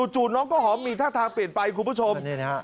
น้องข้าวหอมมีท่าทางเปลี่ยนไปคุณผู้ชม